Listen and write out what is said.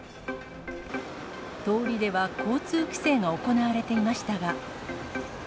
通りでは交通規制が行われていましたが。